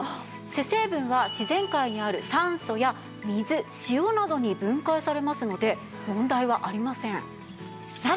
主成分は自然界にある酸素や水塩などに分解されますので問題はありません。